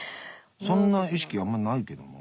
そんな意識あんまないけどな。